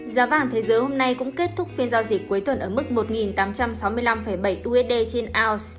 giá vàng thế giới hôm nay cũng kết thúc phiên giao dịch cuối tuần ở mức một tám trăm sáu mươi năm bảy usd trên ounce